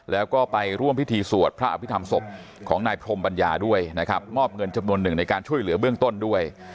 แล้วก็ไปร่วมพิธีสวดพระอภิษฐรรมศพของนายพรมปัญญาด้วยนะครับมอบเงินจำนวนหนึ่งในการช่วยเหลือเบื้องต้นด้วย